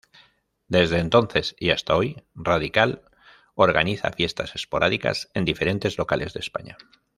Desde entonces y hasta hoy, Radical organiza fiestas esporádicas en diferentes locales de España.